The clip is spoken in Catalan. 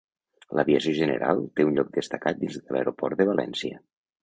L'aviació general té un lloc destacat dins de l'aeroport de València.